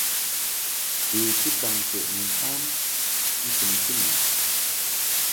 Beti baŋmfəʼ ni mfam ŋkɨmti mɨ.